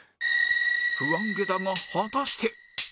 不安げだが果たして